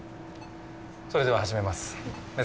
それでは始めます。